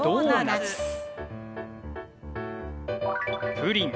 プリン。